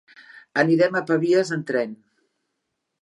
Anirem a Pavies amb tren.